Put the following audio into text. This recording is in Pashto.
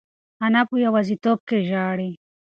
انا په یوازیتوب کې ژاړي.